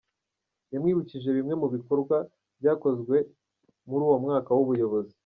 Yamwibukije bimwe mu bikorwa byakozwe muri uwo mwaka w’ubuyobozi.